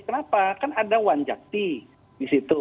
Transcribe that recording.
kenapa kan ada wanjakti di situ